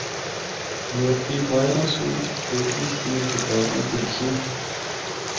یورپی ماہراں سنڑ فر اس دیاں کتاباں دکھیاں۔